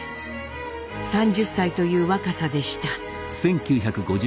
３０歳という若さでした。